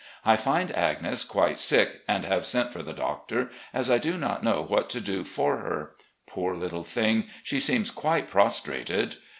I find Agnes quite sick, and have sent for the doctor, as I do not know what to do for her. Poor little thing ! she seems quite prostrated.